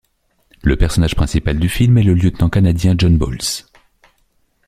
Le personnage principal du film est le lieutenant canadien John Boles.